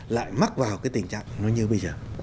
lại mắc vào cái tình trạng nó như bây giờ